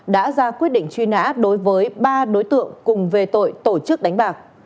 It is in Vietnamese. đã ra quyết định truy nã đối với ba đối tượng cùng về tội tổ chức đánh bạc